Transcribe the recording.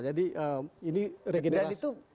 jadi ini regenerasi